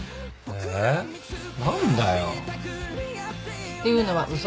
えー何だよ。っていうのは嘘。